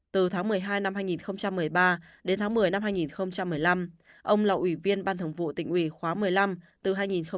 từ tháng một mươi hai năm hai nghìn một mươi ba đến tháng một mươi năm hai nghìn một mươi năm ông là ủy viên ban thường vụ tỉnh ủy khóa một mươi năm từ hai nghìn một mươi